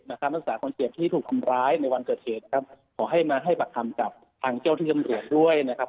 นักศึกษาคนเจ็บที่ถูกทำร้ายในวันเกิดเหตุครับขอให้มาให้ปากคำกับทางเจ้าที่จำรวจด้วยนะครับ